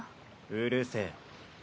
うるせぇ。